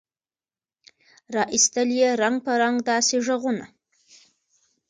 را ایستل یې رنګ په رنګ داسي ږغونه